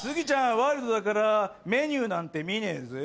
ワイルドだからメニューなんて見ねぇぜぇ。